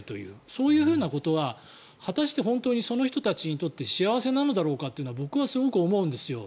そういうことは果たして本当にその人たちにとって幸せなのだろうかってのは僕はすごく思うんですよ。